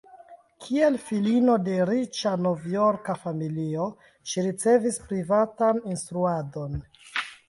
Kiel filino de riĉa Novjorka familio, ŝi ricevis privatan instruadon.